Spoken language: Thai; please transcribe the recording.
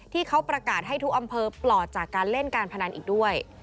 ที่เขาประกาศให้ทุกอำเภอปลอดจากการเล่นการพนันอีกด้วย